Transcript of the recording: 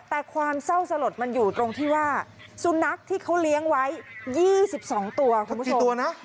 แต่ความเศร้าสลดมันอยู่ตรงที่ว่าสุนัขที่เขาเลี้ยงไว้๒๒ตัวคุณผู้ชม